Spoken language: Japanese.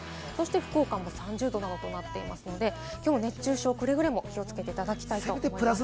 福岡も３０度となっていまして、きょうは熱中症、くれぐれも気をつけていただきたいと思います。